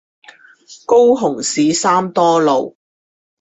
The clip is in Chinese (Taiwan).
高雄市三多路